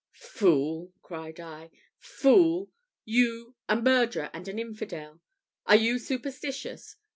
"Fool!" cried I, "fool! You, a murderer, and an infidel! are you superstitious?